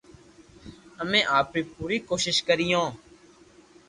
امي آپري پوري ڪوݾݾ ڪريو